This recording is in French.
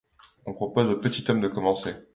On propose au petit homme de commencer.